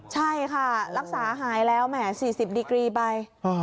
ใช่ค่ะรักษาหายแล้วแหม๔๐ดีกรีไป